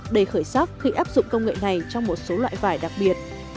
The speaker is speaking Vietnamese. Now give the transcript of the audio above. đầy khởi sắc khi áp dụng công nghệ này trong một số loại vải đặc biệt